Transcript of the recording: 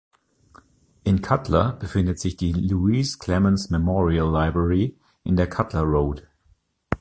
In Cutler befindet sich die "Louise Clements Memorial Library" in der Cutler Road.